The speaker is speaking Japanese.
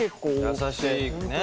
優しいね。